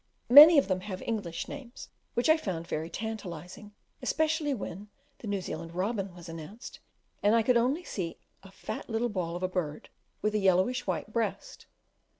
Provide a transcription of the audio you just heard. Many of them have English names, which I found very tantalising, especially when, the New Zealand Robin was announced, and I could only see a fat little ball of a bird, with a yellowish white breast.